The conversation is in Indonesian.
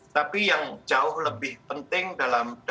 tapi yang jauh lebih penting dalam